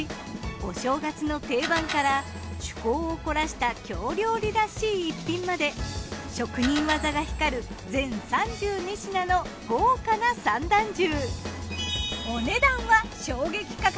お正月の定番から趣向を凝らした京料理らしい逸品まで職人技が光る全３２品の豪華な三段重。